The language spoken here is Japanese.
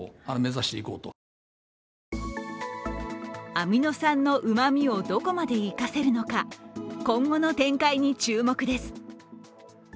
アミノ酸のうまみをどこまで生かせるのか今後の展開に注目です。